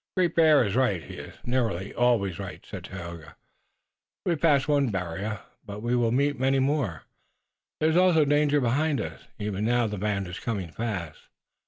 "Great Bear is right. He is nearly always right," said Tayoga. "We have passed one barrier, but we will meet many more. There is also danger behind us. Even now the band is coming fast."